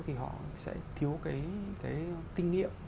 thì họ sẽ thiếu cái kinh nghiệm